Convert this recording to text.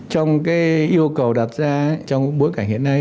trong yêu cầu đặt ra trong bối cảnh hiện nay